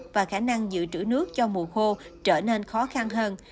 và khả năng giữ trữ nước cho mùa khô trở nên khó khăn hơn